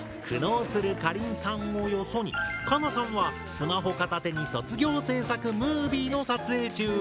苦悩するかりんさんをよそにかなさんはスマホ片手に卒業制作ムービーの撮影中！